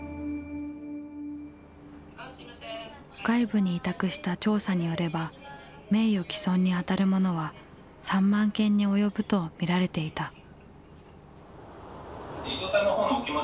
外部に委託した調査によれば名誉毀損にあたるものは３万件に及ぶと見られていた。